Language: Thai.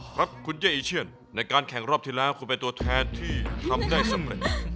ครับคุณเย่อีเชียนในการแข่งรอบที่แล้วคุณเป็นตัวแทนที่ทำได้สำเร็จ